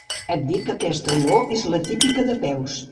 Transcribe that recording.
Et dic que aquesta olor és la típica de peus.